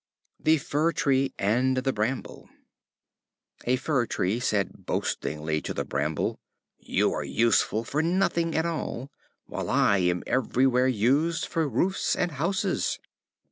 The Fir Tree and the Bramble. A Fir Tree said boastingly to the Bramble: "You are useful for nothing at all, while I am everywhere used for roofs and houses."